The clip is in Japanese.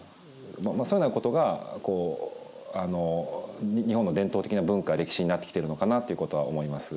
そういうようなことが日本の伝統的な文化や歴史になってきているのかなということは思います。